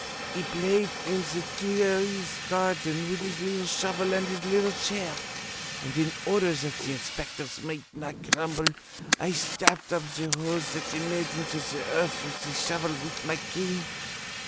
He played in the Tuileries garden with his little shovel and his little chair, and in order that the inspectors might not grumble, I stopped up the holes that he made in the earth with his shovel, with my cane.